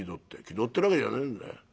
「気取ってるわけじゃねえんだよ。